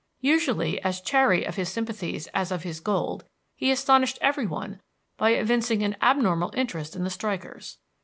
Usually as chary of his sympathies as of his gold, he astonished every one by evincing an abnormal interest in the strikers.